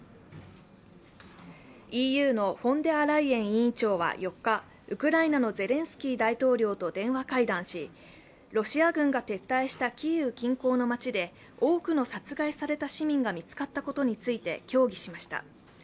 ＥＵのフォンデアライエン委員長は４日、ウクライナのゼレンスキー大統領と電話会談しロシア軍が撤退したキーウ均衡の街で多くの殺害された市民が見つかったことについて協議しました。